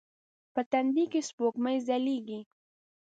په تندې کې یې سپوږمۍ ځلیږې